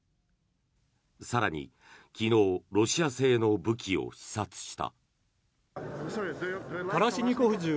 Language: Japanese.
更に、昨日ロシア製の武器を視察した。